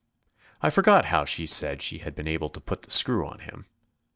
I forget how she said she had been able to put the screw on him.